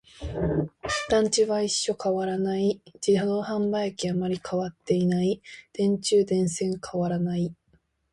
団地は一緒、変わらない。自動販売機、あまり変わっていない。電柱、電線、変わらない。